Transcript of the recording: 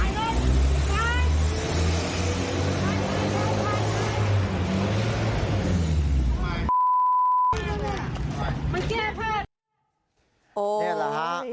นี่หรอฮะ